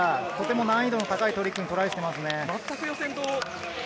難易度の高いトリックにトライしてますね。